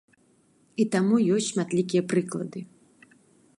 І таму ёсць шматлікія прыклады.